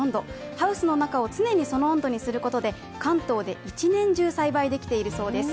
ハウスの中を常にその温度にすることで、関東で一年中栽培できているそうです